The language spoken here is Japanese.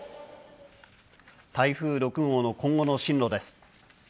台風６号の今後の進路です。